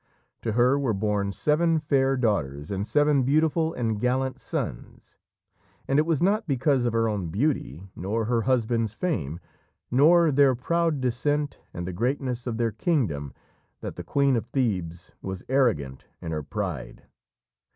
To her were born seven fair daughters and seven beautiful and gallant sons, and it was not because of her own beauty, nor her husband's fame, nor their proud descent and the greatness of their kingdom, that the Queen of Thebes was arrogant in her pride.